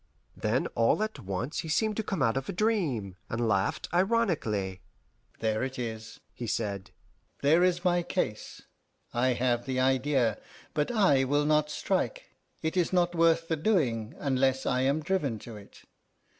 Then all at once he seemed to come out of a dream, and laughed ironically. "There it is," he said; "there is my case. I have the idea, but I will not strike; it is not worth the doing unless I am driven to it.